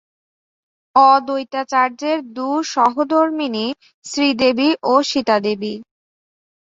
অদ্বৈতাচার্যের দু সহধর্মিনী: শ্রীদেবী ও সীতাদেবী।